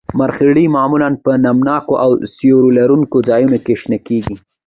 مرخیړي معمولاً په نم ناکو او سیوري لرونکو ځایونو کې شنه کیږي